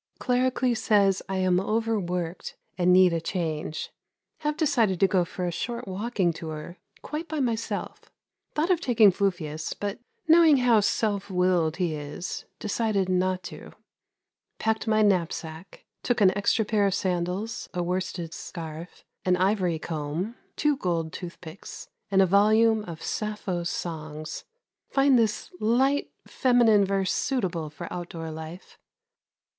Claricles says I am overworked and need a change. Have decided to go for a short walking tour, quite by myself. Thought of taking Fufius, but knowing how self willed he is, decided not to. Packed my knapsack. Took an extra pair of sandals, a worsted scarf, an ivory comb, two gold toothpicks, and a volume of Sappho's Songs. Find this light, feminine verse suitable for outdoor life.